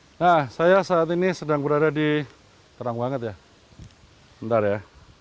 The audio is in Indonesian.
hai nah saya saat ini sedang berada di terang banget ya ntar ya